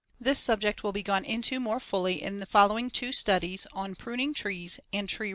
This subject will be gone into more fully in the following two studies on "Pruning Trees" and "Tree Repair."